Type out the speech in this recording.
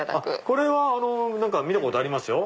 これは見たことありますよ。